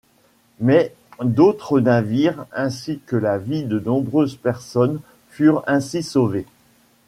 Mais d'autres navires ainsi que la vie de nombreuses personnes furent ainsi sauvés.